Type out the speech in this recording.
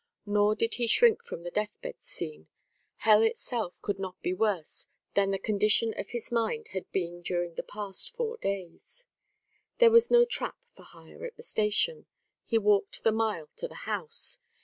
Nor did he shrink from the death bed scene; hell itself could not be worse than the condition of his mind had been during the past four days. There was no trap for hire at the station; he walked the mile to the house.